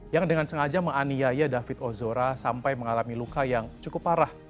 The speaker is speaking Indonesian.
yang dengan sengaja menganiaya david ozora sampai mengalami luka yang cukup parah